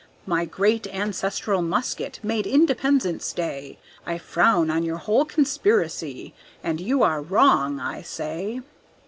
My great ancestral musket made Independence Day, I frown on your whole conspiracy, and you are wrong, I say!"